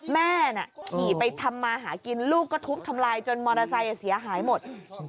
แม่น่ะขี่ไปทำมาหากินลูกก็ทุบทำลายจนมอเตอร์ไซค์เสียหายหมด